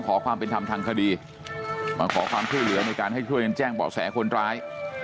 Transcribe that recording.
ขอความเป็นธรรมทางคดีมาขอความช่วยเหลือในการให้ช่วยกันแจ้งเบาะแสคนร้าย